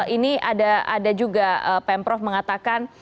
ini ada juga pemprov mengatakan